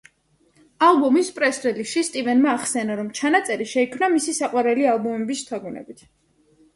ალბომის პრეს-რელიზში სტივენმა ახსენა, რომ ჩანაწერი შეიქმნა მისი საყვარელი ალბომების შთაგონებით.